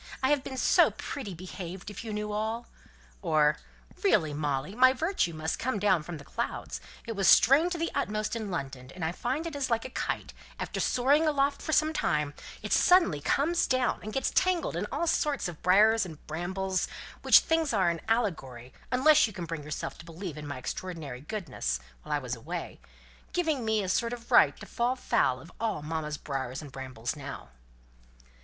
I have been so pretty behaved if you knew all!" Or, "Really, Molly, my virtue must come down from the clouds! It was strained to the utmost in London and I find it is like a kite after soaring aloft for some time, it suddenly comes down, and gets tangled in all sorts of briars and brambles; which things are an allegory, unless you can bring yourself to believe in my extraordinary goodness while I was away giving me a sort of right to fall foul of all mamma's briars and brambles now."